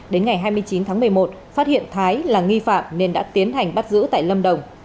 đến ngày hai mươi chín tháng một mươi một phát hiện thái là nghi phạm nên đã tiến hành bắt giữ tại lâm đồng